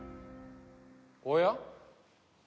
おや？